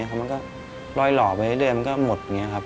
เพราะมันก็ลอยหลอดก็เลยเริ่มก็หมด